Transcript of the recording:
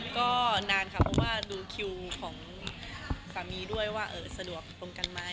ก็นานค่ะเพราะว่าดูคิวของสามีด้วยว่าสะดวกตรงกันไหม